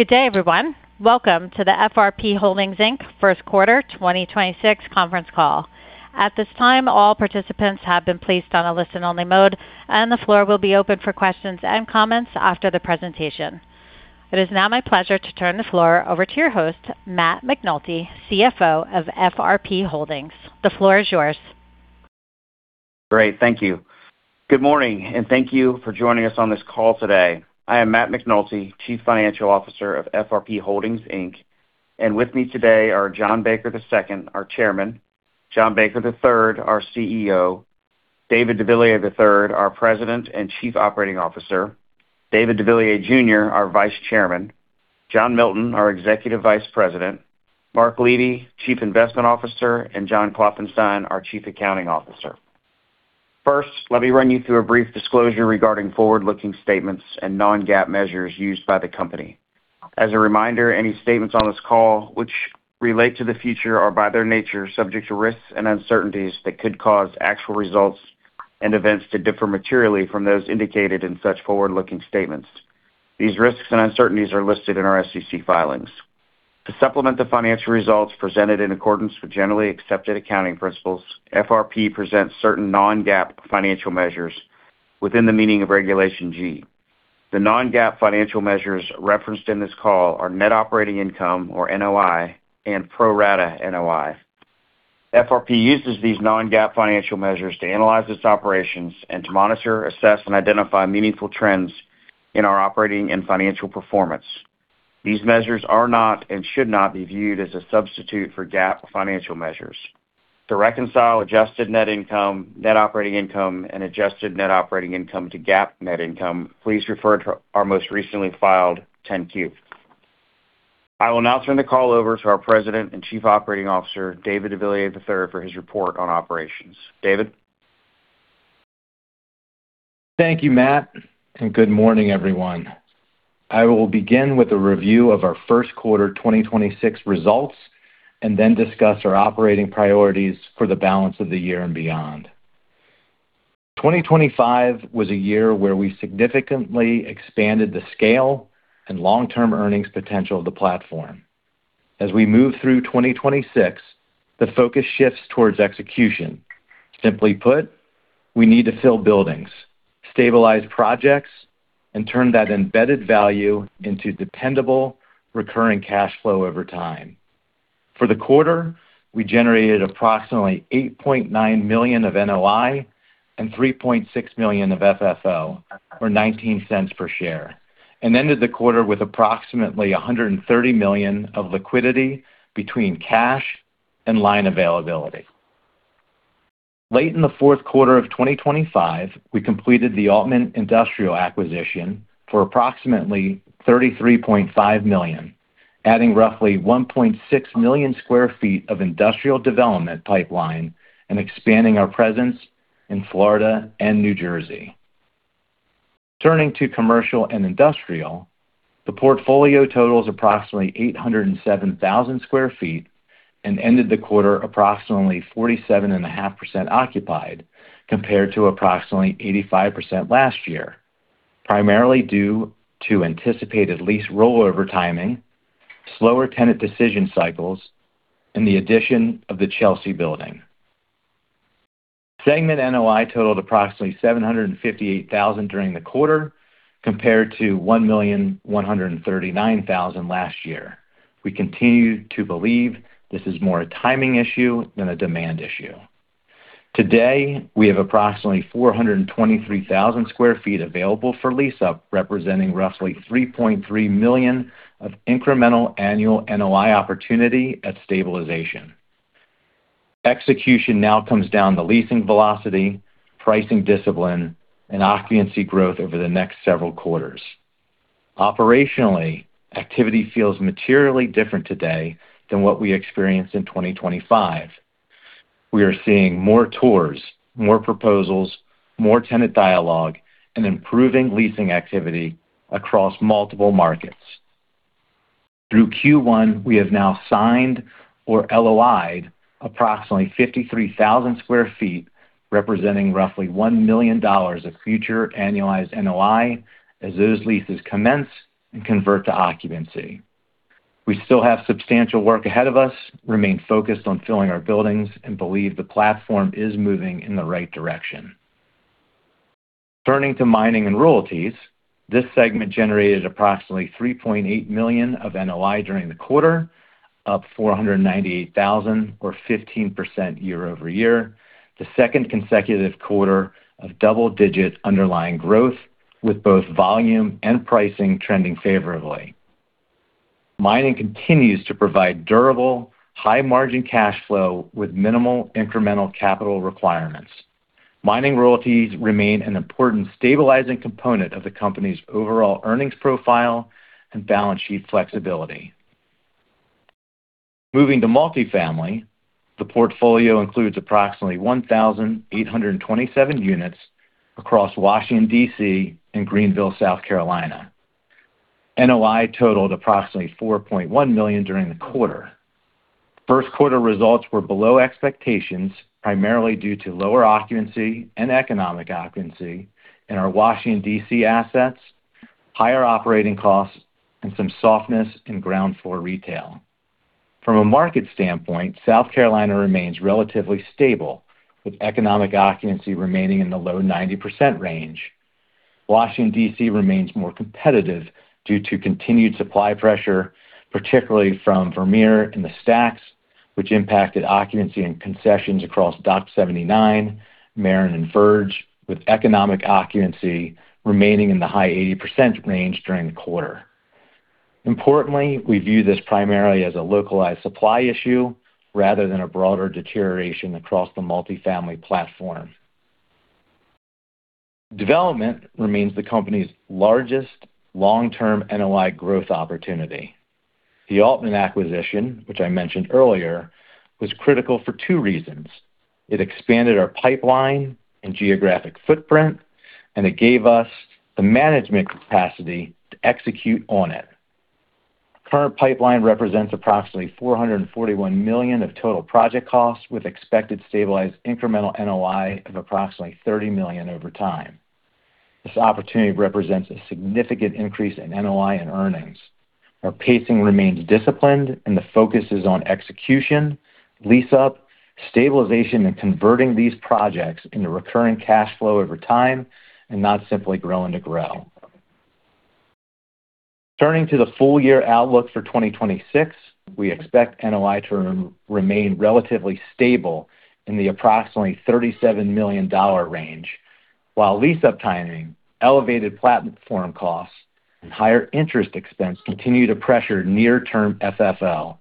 Good day, everyone. Welcome to the FRP Holdings, Inc. First Quarter 2026 Conference Call. At this time, all participants have been placed on a listen-only mode, and the floor will be open for questions and comments after the presentation. It is now my pleasure to turn the floor over to your host, Matt McNulty, CFO of FRP Holdings. The floor is yours. Great. Thank you. Good morning, and thank you for joining us on this call today. I am Matt McNulty, Chief Financial Officer of FRP Holdings, Inc. With me today are John D. Baker II, our Chairman, John D. Baker III, our CEO, David H. deVilliers III, our President and Chief Operating Officer, David H. deVilliers, Jr., our Vice Chairman, John D. Milton, our Executive Vice President, Mark Levy, Chief Investment Officer, and John Klopfenstein, our Chief Accounting Officer. First, let me run you through a brief disclosure regarding forward-looking statements and non-GAAP measures used by the company. As a reminder, any statements on this call which relate to the future are, by their nature, subject to risks and uncertainties that could cause actual results and events to differ materially from those indicated in such forward-looking statements. These risks and uncertainties are listed in our SEC filings. To supplement the financial results presented in accordance with generally accepted accounting principles, FRP presents certain non-GAAP financial measures within the meaning of Regulation G. The non-GAAP financial measures referenced in this call are net operating income, or NOI, and pro rata NOI. FRP uses these non-GAAP financial measures to analyze its operations and to monitor, assess, and identify meaningful trends in our operating and financial performance. These measures are not and should not be viewed as a substitute for GAAP financial measures. To reconcile adjusted net income, net operating income, and adjusted net operating income to GAAP net income, please refer to our most recently filed 10-Q. I will now turn the call over to our President and Chief Operating Officer, David deVilliers III, for his report on operations. David. Thank you, Matt, and good morning, everyone. I will begin with a review of our first quarter 2026 results and then discuss our operating priorities for the balance of the year and beyond. 2025 was a year where we significantly expanded the scale and long-term earnings potential of the platform. As we move through 2026, the focus shifts towards execution. Simply put, we need to fill buildings, stabilize projects, and turn that embedded value into dependable recurring cash flow over time. For the quarter, we generated approximately $8.9 million of NOI and $3.6 million of FFO, or $0.19 per share, and ended the quarter with approximately $130 million of liquidity between cash and line availability. Late in the fourth quarter of 2025, we completed the Altman Industrial acquisition for approximately $33.5 million, adding roughly 1.6 million sq ft of industrial development pipeline and expanding our presence in Florida and New Jersey. Turning to commercial and industrial, the portfolio totals approximately 807,000 sq ft and ended the quarter approximately 47.5% occupied compared to approximately 85% last year, primarily due to anticipated lease rollover timing, slower tenant decision cycles, and the addition of the Chelsea building. Segment NOI totaled approximately $758,000 during the quarter, compared to $1,139,000 last year. We continue to believe this is more a timing issue than a demand issue. Today, we have approximately 423,000 sq ft available for lease up, representing roughly $3.3 million of incremental annual NOI opportunity at stabilization. Execution now comes down to leasing velocity, pricing discipline, and occupancy growth over the next several quarters. Operationally, activity feels materially different today than what we experienced in 2025. We are seeing more tours, more proposals, more tenant dialogue, and improving leasing activity across multiple markets. Through Q1, we have now signed or LOI'd approximately 53,000 sq ft, representing roughly $1 million of future annualized NOI as those leases commence and convert to occupancy. We still have substantial work ahead of us, remain focused on filling our buildings, and believe the platform is moving in the right direction. Turning to Mining and Royalties, this segment generated approximately $3.8 million of NOI during the quarter, up $498,000 or 15% year-over-year, the second consecutive quarter of double-digit underlying growth with both volume and pricing trending favorably. Mining continues to provide durable, high margin cash flow with minimal incremental capital requirements. Mining royalties remain an important stabilizing component of the company's overall earnings profile and balance sheet flexibility. Moving to Multifamily, the portfolio includes approximately 1,827 units across Washington, D.C., and Greenville, South Carolina. NOI totaled approximately $4.1 million during the quarter. First quarter results were below expectations, primarily due to lower occupancy and economic occupancy in our Washington, D.C. assets, higher operating costs, and some softness in ground floor retail. From a market standpoint, South Carolina remains relatively stable, with economic occupancy remaining in the low 90% range. Washington, D.C. remains more competitive due to continued supply pressure, particularly from Vermeer and The Stacks, which impacted occupancy and concessions across Dock 79, The Maren and The Verge, with economic occupancy remaining in the high 80% range during the quarter. Importantly, we view this primarily as a localized supply issue rather than a broader deterioration across the multifamily platform. Development remains the company's largest long-term NOI growth opportunity. The Altman acquisition, which I mentioned earlier, was critical for two reasons. It expanded our pipeline and geographic footprint, and it gave us the management capacity to execute on it. Current pipeline represents approximately $441 million of total project costs, with expected stabilized incremental NOI of approximately $30 million over time. This opportunity represents a significant increase in NOI and earnings. Our pacing remains disciplined, and the focus is on execution, lease up, stabilization, and converting these projects into recurring cash flow over time and not simply growing to grow. Turning to the full year outlook for 2026, we expect NOI to remain relatively stable in the approximately $37 million range, while lease up timing, elevated platform costs, and higher interest expense continue to pressure near term FFO.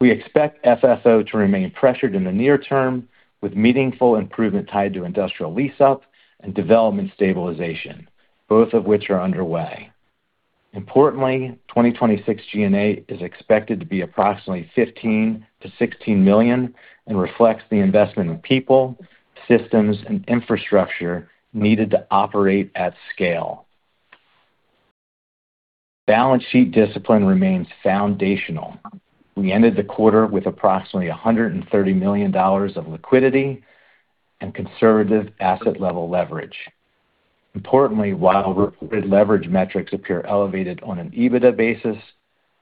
We expect FFO to remain pressured in the near term with meaningful improvement tied to industrial lease up and development stabilization, both of which are underway. Importantly, 2026 G&A is expected to be approximately $15 million-$16 million and reflects the investment in people, systems, and infrastructure needed to operate at scale. Balance sheet discipline remains foundational. We ended the quarter with approximately $130 million of liquidity and conservative asset-level leverage. Importantly, while leverage metrics appear elevated on an EBITDA basis,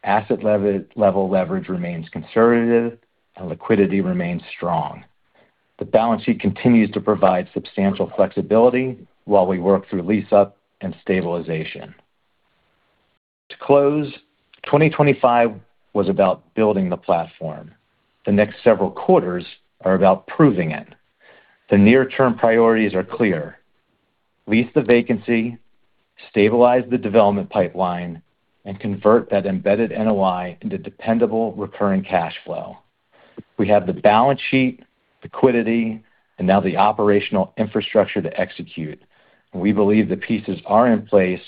asset-level leverage remains conservative and liquidity remains strong. The balance sheet continues to provide substantial flexibility while we work through lease-up and stabilization. To close, 2025 was about building the platform. The next several quarters are about proving it. The near-term priorities are clear. Lease the vacancy, stabilize the development pipeline, and convert that embedded NOI into dependable recurring cash flow. We have the balance sheet, liquidity, and now the operational infrastructure to execute. We believe the pieces are in place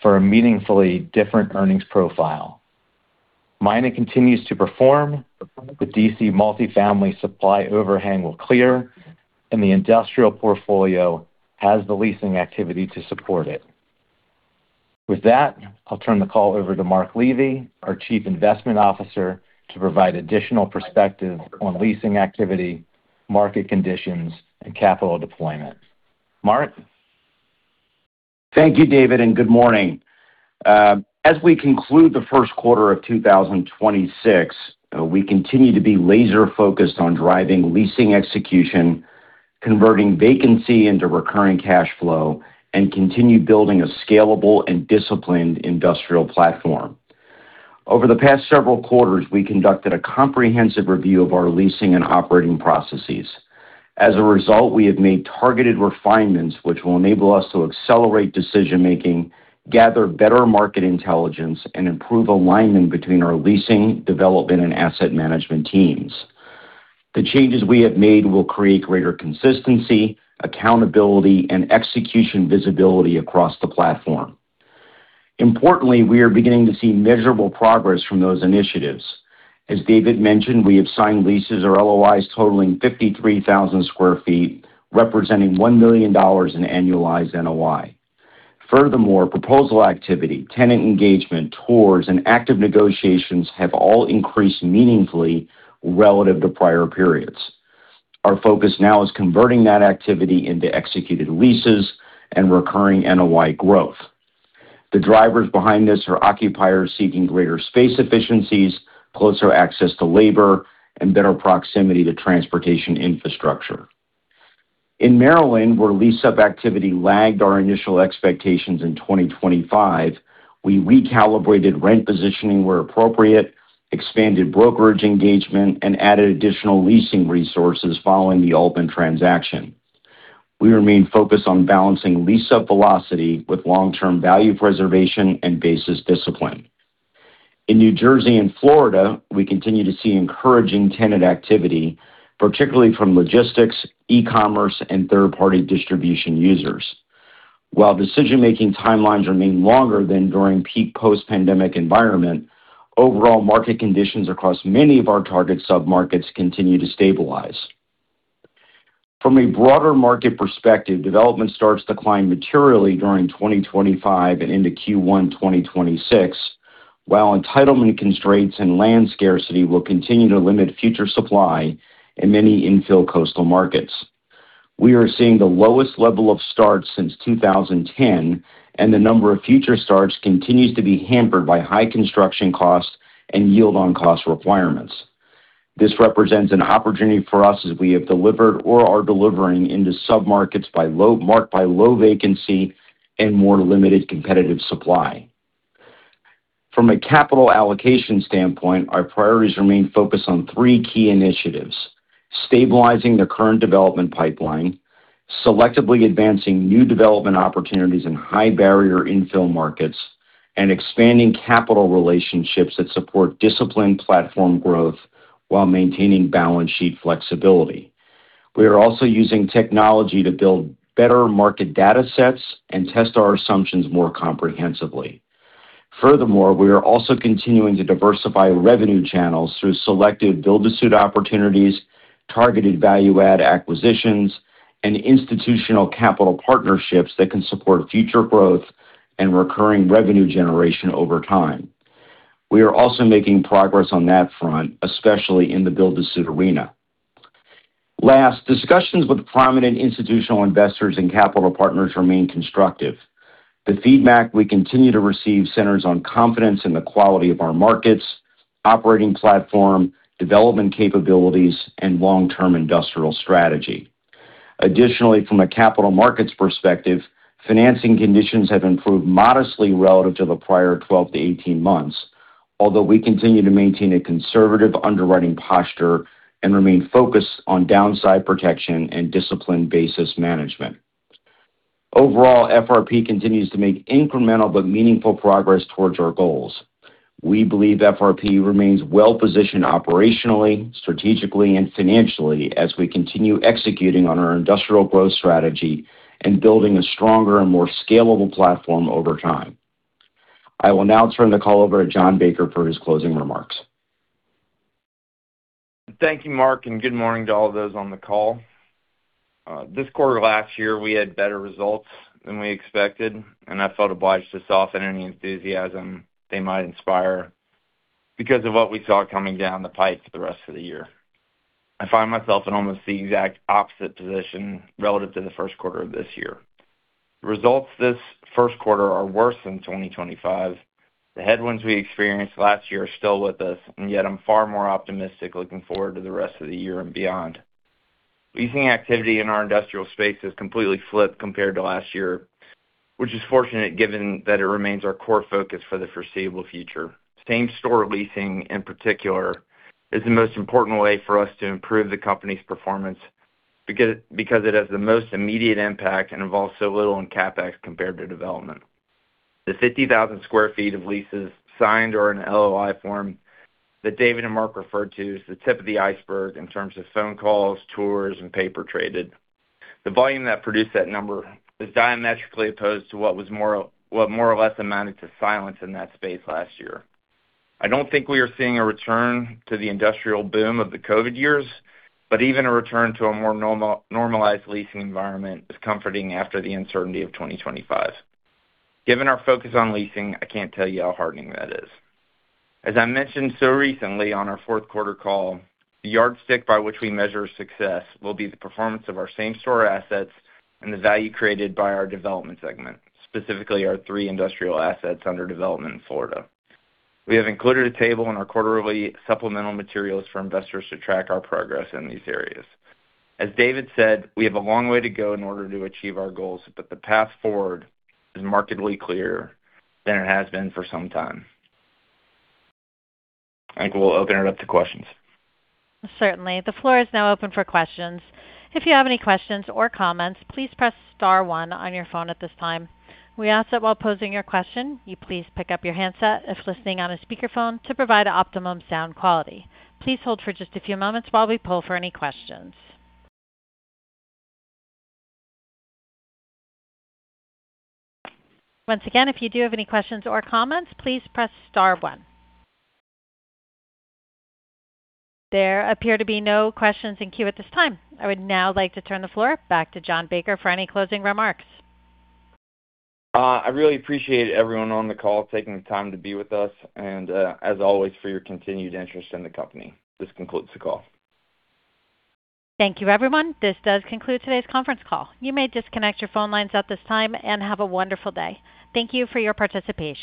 for a meaningfully different earnings profile. Mining continues to perform. The D.C. multifamily supply overhang will clear, and the industrial portfolio has the leasing activity to support it. With that, I'll turn the call over to Mark Levy, our Chief Investment Officer, to provide additional perspective on leasing activity, market conditions, and capital deployment. Mark. Thank you, David, and good morning. As we conclude the 1st quarter of 2026, we continue to be laser focused on driving leasing execution, converting vacancy into recurring cash flow, and continue building a scalable and disciplined industrial platform. Over the past several quarters, we conducted a comprehensive review of our leasing and operating processes. As a result, we have made targeted refinements which will enable us to accelerate decision making, gather better market intelligence, and improve alignment between our leasing, development, and asset management teams. The changes we have made will create greater consistency, accountability, and execution visibility across the platform. Importantly, we are beginning to see measurable progress from those initiatives. As David mentioned, we have signed leases or LOIs totaling 53,000 square feet, representing $1 million in annualized NOI. Furthermore, proposal activity, tenant engagement, tours, and active negotiations have all increased meaningfully relative to prior periods. Our focus now is converting that activity into executed leases and recurring NOI growth. The drivers behind this are occupiers seeking greater space efficiencies, closer access to labor, and better proximity to transportation infrastructure. In Maryland, where lease up activity lagged our initial expectations in 2025, we recalibrated rent positioning where appropriate, expanded brokerage engagement, and added additional leasing resources following the Altman transaction. We remain focused on balancing lease up velocity with long term value preservation and basis discipline. In New Jersey and Florida, we continue to see encouraging tenant activity, particularly from logistics, e-commerce, and third party distribution users. While decision making timelines remain longer than during peak post-pandemic environment, overall market conditions across many of our target submarkets continue to stabilize. From a broader market perspective, development starts to climb materially during 2025 and into Q1 2026, while entitlement constraints and land scarcity will continue to limit future supply in many infill coastal markets. We are seeing the lowest level of starts since 2010, and the number of future starts continues to be hampered by high construction costs and yield on cost requirements. This represents an opportunity for us as we have delivered or are delivering into submarkets marked by low vacancy and more limited competitive supply. From a capital allocation standpoint, our priorities remain focused on three key initiatives: stabilizing the current development pipeline, selectively advancing new development opportunities in high barrier infill markets, and expanding capital relationships that support disciplined platform growth while maintaining balance sheet flexibility. We are also using technology to build better market data sets and test our assumptions more comprehensively. We are also continuing to diversify revenue channels through selective build-to-suit opportunities, targeted value add acquisitions, and institutional capital partnerships that can support future growth and recurring revenue generation over time. We are also making progress on that front, especially in the build-to-suit arena. Discussions with prominent institutional investors and capital partners remain constructive. The feedback we continue to receive centers on confidence in the quality of our markets, operating platform, development capabilities, and long-term industrial strategy. Additionally, from a capital markets perspective, financing conditions have improved modestly relative to the prior 12-18 months. Although we continue to maintain a conservative underwriting posture and remain focused on downside protection and disciplined basis management. Overall, FRP continues to make incremental but meaningful progress towards our goals. We believe FRP remains well positioned operationally, strategically, and financially as we continue executing on our industrial growth strategy and building a stronger and more scalable platform over time. I will now turn the call over to John Baker for his closing remarks. Thank you, Mark, and good morning to all those on the call. This quarter last year, we had better results than we expected, and I felt obliged to soften any enthusiasm they might inspire because of what we saw coming down the pipe for the rest of the year. I find myself in almost the exact opposite position relative to the first quarter of this year. Results this first quarter are worse than 2025. The headwinds we experienced last year are still with us, and yet I'm far more optimistic looking forward to the rest of the year and beyond. Leasing activity in our industrial space has completely flipped compared to last year, which is fortunate given that it remains our core focus for the foreseeable future. Same-store leasing, in particular, is the most important way for us to improve the company's performance because it has the most immediate impact and involves so little in CapEx compared to development. The 50,000 sq ft of leases signed or in LOI form that David and Mark referred to is the tip of the iceberg in terms of phone calls, tours, and paper traded. The volume that produced that number is diametrically opposed to what more or less amounted to silence in that space last year. I don't think we are seeing a return to the industrial boom of the Covid years, but even a return to a more normalized leasing environment is comforting after the uncertainty of 2025. Given our focus on leasing, I can't tell you how heartening that is. As I mentioned so recently on our fourth quarter call, the yardstick by which we measure success will be the performance of our same store assets and the value created by our development segment, specifically our three industrial assets under development in Florida. We have included a table in our quarterly supplemental materials for investors to track our progress in these areas. As David said, we have a long way to go in order to achieve our goals, but the path forward is markedly clearer than it has been for some time. I think we'll open it up to questions. Certainly. The floor is now open for questions. If you have any questions or comments, please press star one on your phone at this time. We ask that while posing your question, you please pick up your handset if listening on a speakerphone to provide optimum sound quality. Please hold for just a few moments while we poll for any questions. Once again, if you do have any questions or comments, please press star one. There appear to be no questions in queue at this time. I would now like to turn the floor back to John Baker for any closing remarks. I really appreciate everyone on the call taking the time to be with us and, as always, for your continued interest in the company. This concludes the call. Thank you, everyone. This does conclude today's conference call. You may disconnect your phone lines at this time and have a wonderful day. Thank you for your participation.